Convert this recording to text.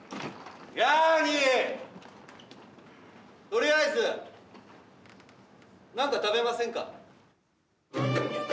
とりあえず何か食べませんか？